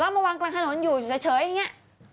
มาวางกลางถนนอยู่เฉยอย่างนี้